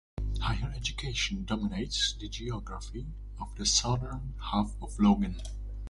Higher education dominates the geography of the southern half of Logan.